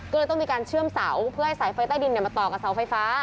ก็เลยต้องมีการเชื่อมเสาเพื่อให้สายไฟใต้ดินมาต่อกับเสาไฟฟ้า